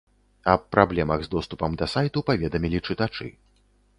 Аб праблемах з доступам да сайту паведамілі чытачы.